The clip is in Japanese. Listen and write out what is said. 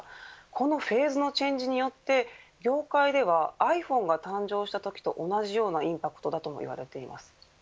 このフェーズのチェンジによって業界ではｉＰｈｏｎｅが誕生したときと同じようなインパクトだと言われています。